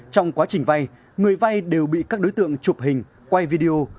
trong quá trình vay người vay đều bị các đối tượng chụp hình quay video